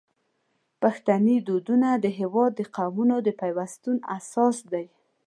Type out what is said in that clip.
پښتني دودونه د هیواد د قومونو د پیوستون اساس دی.